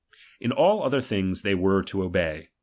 In all other things they were to obey.